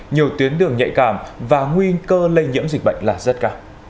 nhiều tuyến đường nhạy cảm và nguy cơ lây nhiễm dịch bệnh là rất cao